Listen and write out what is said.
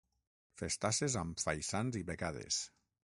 Festasses amb faisans i becades.